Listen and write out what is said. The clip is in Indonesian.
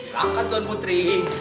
rakan tuhan putri